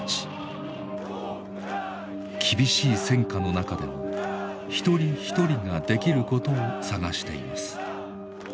厳しい戦火の中でも一人一人ができることを探しています。